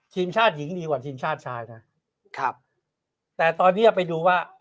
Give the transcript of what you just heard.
ทีมชาติหญิงดีกว่าทีมชาติชายนะครับแต่ตอนเนี้ยไปดูว่า